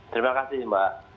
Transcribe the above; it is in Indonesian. terima kasih mbak